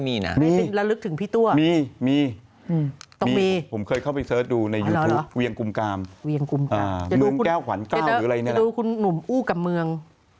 เมืองแก้วขวัญเกล้าหรืออะไรจะดูคุณหนุ่มอู้กับเมือง